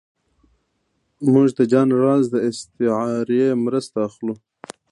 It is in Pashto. موږ د جان رالز د استعارې مرسته اخلو.